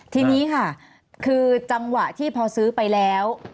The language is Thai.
ทีนี้ค่ะคือจังหวะที่พอซื้อไปแล้ว